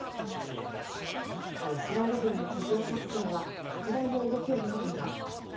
イスラエル軍の地上作戦は拡大の動きを見せています。